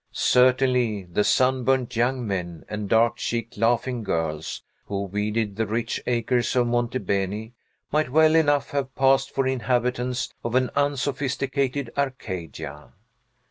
Certainly, the sunburnt young men and dark cheeked, laughing girls, who weeded the rich acres of Monte Beni, might well enough have passed for inhabitants of an unsophisticated Arcadia.